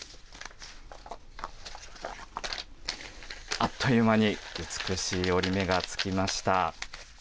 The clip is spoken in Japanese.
あっという間に、美しい折り目がつきました。